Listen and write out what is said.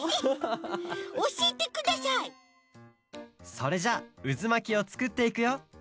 それじゃあうずまきをつくっていくよ。